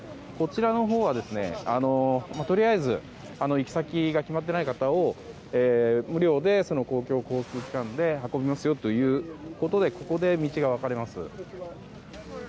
こちらのほうは、とりあえず行き先が決まっていない方を無料で公共交通機関で運びますよということでここで道が分かれます。